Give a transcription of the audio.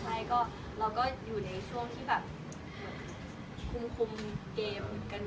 ใช่เราก็อยู่ในช่วงที่คุ้มเกมกันอยู่เราก็ดูสถานการณ์